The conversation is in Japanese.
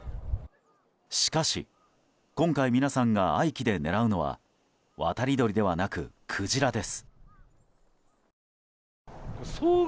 しかし今回、皆さんが愛機で狙うのは渡り鳥ではなく、クジラです。